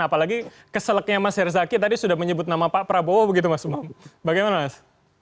apalagi keseleknya mas herzaki tadi sudah menyebut nama pak prabowo begitu mas umam bagaimana mas